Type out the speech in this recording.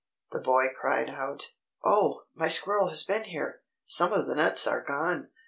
The boy cried out: "Oh, my squirrel has been here! Some of the nuts are gone!